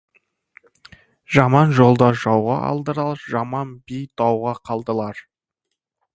Жаман жолдас жауға алдырар, жаман би дауға қалдырар.